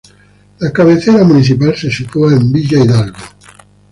La cabecera municipal se sitúa en Villa Hidalgo.